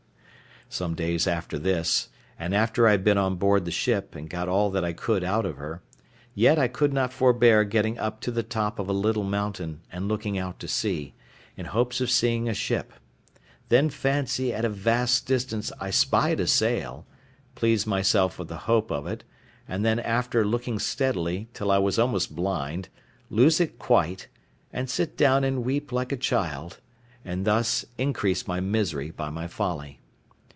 Some days after this, and after I had been on board the ship, and got all that I could out of her, yet I could not forbear getting up to the top of a little mountain and looking out to sea, in hopes of seeing a ship; then fancy at a vast distance I spied a sail, please myself with the hopes of it, and then after looking steadily, till I was almost blind, lose it quite, and sit down and weep like a child, and thus increase my misery by my folly.